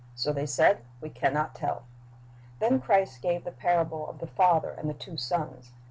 So they said, "We can not tell." Then Christ gave the parable of the father and the two sons.